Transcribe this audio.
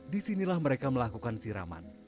disinilah mereka melakukan siraman